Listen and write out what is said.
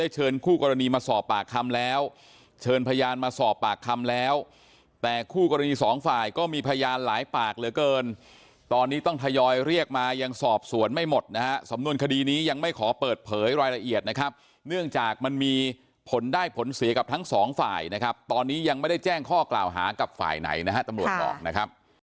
เชิญคู่กรณีมาสอบปากคำแล้วเชิญพยานมาสอบปากคำแล้วแต่คู่กรณีสองฝ่ายก็มีพยานหลายปากเหลือเกินตอนนี้ต้องทยอยเรียกมายังสอบสวนไม่หมดนะฮะสำนวนคดีนี้ยังไม่ขอเปิดเผยรายละเอียดนะครับเนื่องจากมันมีผลได้ผลเสียกับทั้งสองฝ่ายนะครับตอนนี้ยังไม่ได้แจ้งข้อกล่าวหากับฝ่ายไหนนะฮะตำรวจบอกนะครับ